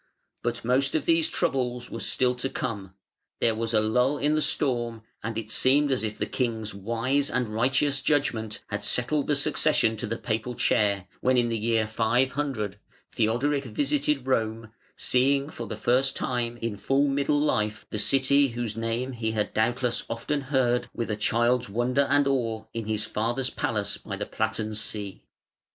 But most of these troubles were still to come: there was a lull in the storm, and it seemed as if the king's wise and righteous judgment had settled the succession to the Papal chair, when in the year 500 Theodoric visited Rome, seeing for the first time, in full middle life, the City whose name he had doubtless often heard with a child's wonder and awe in his father's palace by the Platten See.